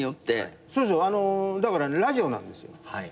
だからラジオなんですよ。